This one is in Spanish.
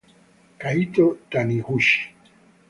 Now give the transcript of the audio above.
Kaito Taniguchi